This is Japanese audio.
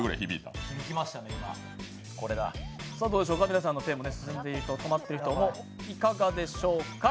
皆さんの手も進んでいる人、止まっている人、いかがでしょうか。